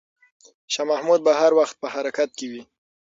شاه محمود به هر وخت په حرکت کې وي.